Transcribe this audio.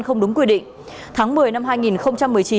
không đúng quy định tháng một mươi năm